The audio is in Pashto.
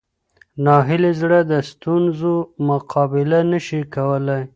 ناهیلي زړه د ستونزو مقابله نه شي کولی.